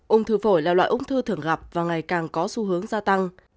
ung thư phổi là loại ung thư thường gặp và ngày càng có xu hướng gia tăng